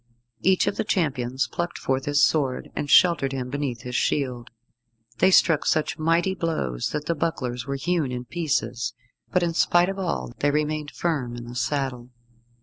Each of the champions plucked forth his sword, and sheltered him beneath his shield. They struck such mighty blows that the bucklers were hewn in pieces, but in spite of all they remained firm in the saddle.